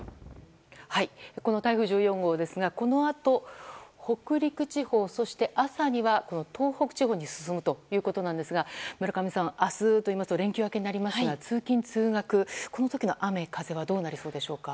この台風１４号ですがこのあと北陸地方そして朝には東北地方に進むということなんですが村上さん、明日といいますと連休明けとなりますが通勤・通学この時の雨風はどうなりそうでしょうか。